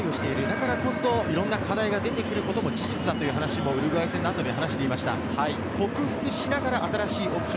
だからこそいろんな課題が出てくることも事実だということをウルグアイ戦の後に話していました。